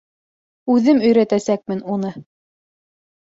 Үҙем өйрәтәсәкмен уны!